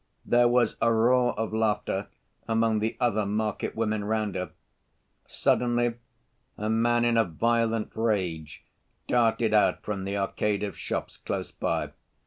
There was a roar of laughter among the other market women round her. Suddenly a man in a violent rage darted out from the arcade of shops close by.